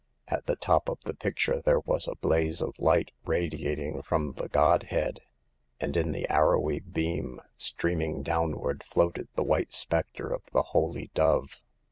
At the top of the picture there was a blaze of light radiating from the Godhead, and in the arrowy beam streaming downward floated the white specter of the Holy Dove.